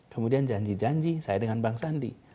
kemudian janji janji saya dengan bang sandi